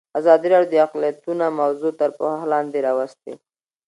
ازادي راډیو د اقلیتونه موضوع تر پوښښ لاندې راوستې.